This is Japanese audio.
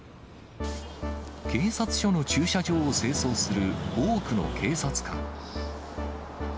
警察署の駐車場を清掃する多くの警察官。